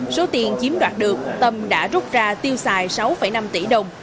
số tiền chiếm đoạt được tâm đã rút ra tiêu xài sáu năm tỷ đồng